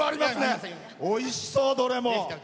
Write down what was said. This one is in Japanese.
おいしそう、どれも。